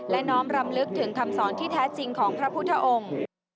และน้อมรำลึกถึงคำสอนที่แท้จริงของพระพุทธองค์